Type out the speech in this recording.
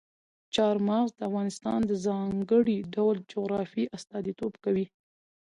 چار مغز د افغانستان د ځانګړي ډول جغرافیې استازیتوب کوي.